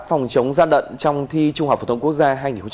phòng chống gian đận trong thi trung học phổ thống quốc gia